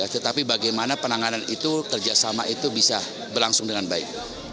tetapi bagaimana penanganan itu kerjasama itu bisa berlangsung dengan baik